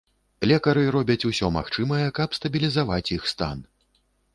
Лекары робяць усё магчымае, каб стабілізаваць іх стан.